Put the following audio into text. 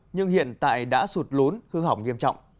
nhưng hiện tại đã sụt lún hư hỏng nghiêm trọng